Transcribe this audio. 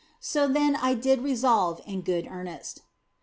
So then I did resolve in good earnest.